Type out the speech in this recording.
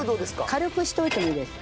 軽くしておいてもいいです。